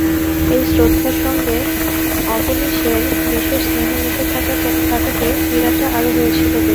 এই শ্রদ্ধার সঙ্গে অবনীশের বিশেষ স্নেহ মিশে থাকাতে পীড়াটা আরো হয়েছিল বেশি।